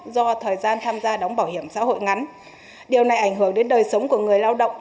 do thời gian tham gia đóng bảo hiểm xã hội ngắn điều này ảnh hưởng đến đời sống của người lao động